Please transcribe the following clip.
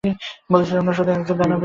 বলেছিলাম না ও শুধুমাত্র একজন দানবই নয়!